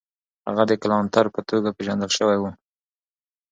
هغه د کلانتر په توګه پېژندل سوی و.